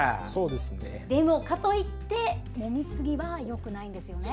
でも、かといってもみすぎはよくないんですよね。